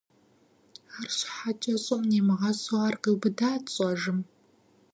АрщхьэкӀэ щӀым нимыгъэсу ар къиубыдат щӀэжым.